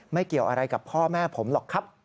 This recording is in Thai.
เกี่ยวอะไรกับพ่อแม่ผมหรอกครับ